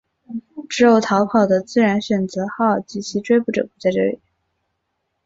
只有逃跑的自然选择号及其追捕者不在这里。